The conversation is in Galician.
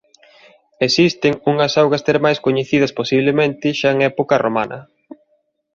Existen unhas augas termais coñecidas posiblemente xa en época romana.